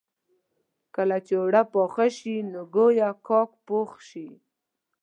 کله چې اوړه پاخه شي نو ګويا کاک پوخ شي.